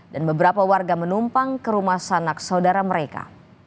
dan beberapa warga menumpang ke rumah sanak saudara mereka